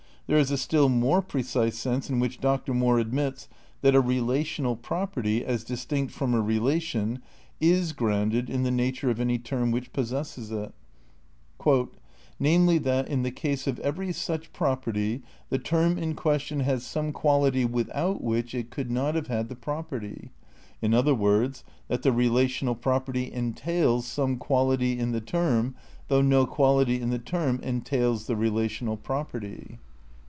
There is a still more precise sense in which Dr. Moore admits that a relational property, as distinct from a relation, "is grounded in the nature of any term which possesses it. '* n THE CRITICAL PREPARATIONS 31 "Namely that, in the case of every such property, the term in question has some quality without which it could not have had the property. In other words that the relational property entails some quality in the term though no quality in the term entails the rela tional property."'